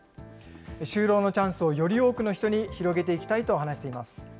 就労のチャンスをより多くの人に広げていきたいと話しています。